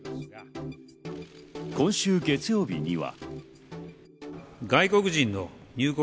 今週月曜日には。